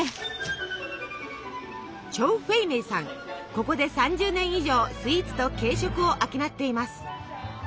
ここで３０年以上スイーツと軽食を商っています。